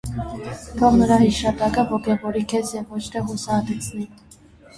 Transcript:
Թող նրա հիշատակը ոգևորի քեզ, և ոչ թե հուսահատեցնի: